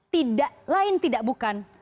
tidak lain tidak bukan